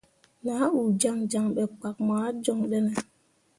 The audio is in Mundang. Nah uu jaŋjaŋ ɓe kpak moah joŋ ɗene.